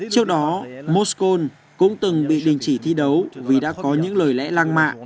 trước đó moscon cũng từng bị đình chỉ thi đấu vì đã có những lời lẽ lang mạ